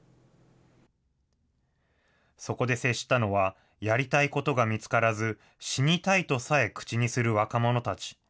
そこで接したのは、やりたいことが見つからず、死にたいとさえ口にする若者たち。